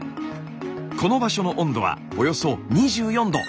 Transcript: この場所の温度はおよそ２４℃。